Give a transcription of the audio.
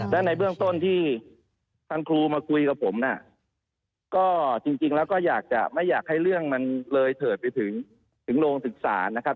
และในเบื้องต้นที่ทางครูมาคุยกับผมน่ะก็จริงแล้วก็อยากจะไม่อยากให้เรื่องมันเลยเถิดไปถึงโรงศึกษานะครับ